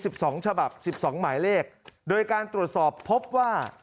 มี๑๒ฉบับ๑๒หมายเลขโดยการตรวจสอบพบว่า